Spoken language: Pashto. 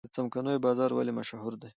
څمکنیو بازار ولې مشهور دی؟